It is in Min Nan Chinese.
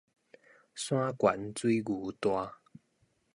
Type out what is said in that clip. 山懸水牛大